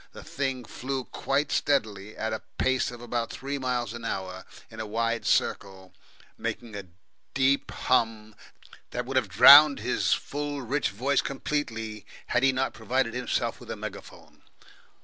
The thing flew quite steadily at a pace of about three miles an hour, in a wide circle, making a deep hum that, would have drowned his full, rich voice completely had he not provided himself with a megaphone.